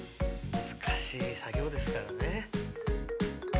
難しい作業ですからね。